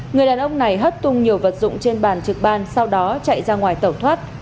người đàn ông này hất tung nhiều vật dụng trên bàn trực ban sau đó chạy ra ngoài tẩu thoát